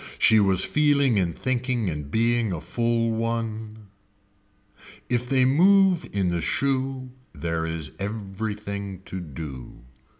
She was feeling in thinking in being a full one. If they move in the shoe there is everything to do.